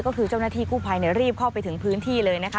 ก็คือเจ้าหน้าที่กู้ภัยรีบเข้าไปถึงพื้นที่เลยนะคะ